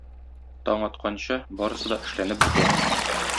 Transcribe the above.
Таң атканчы, барысы да эшләнеп бетә.